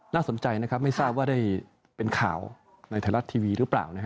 น่าสนใจนะครับไม่ทราบว่าได้เป็นข่าวในไทยรัฐทีวีหรือเปล่า